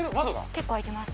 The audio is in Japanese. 結構開いてます。